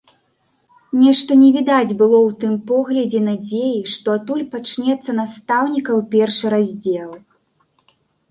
Нешта не відаць было ў тым поглядзе надзеі, што адтуль пачнецца настаўнікаў першы раздзел.